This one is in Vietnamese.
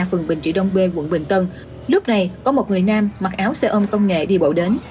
phường bình trị đông bê quận bình tân lúc này có một người nam mặc áo xe ôm công nghệ đi bộ đến